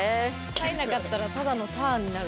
入んなかったらただのターンになる。